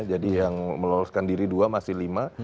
jadi yang meloloskan diri dua masih lima